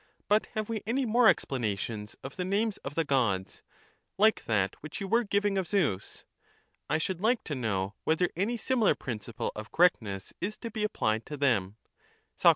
But have we any more explanations of the names of the Gods, like that which you were giving of Zeus? I should like to know whether any similar principle of cor rectness is to be apphed to them. Soc.